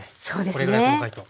これぐらい細かいと。